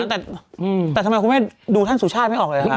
แต่ทำไมคุณแม่ดูท่านสุชาติไม่ออกเลยครับ